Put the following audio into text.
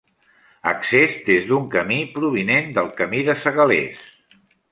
Accés des d'un camí provinent del camí de Segalers.